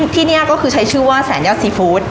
ที่นี่ก็คือใช้ชื่อว่าแสนยอดซีฟู้ด